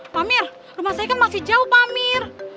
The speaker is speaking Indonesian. pak amir rumah saya kan masih jauh pak amir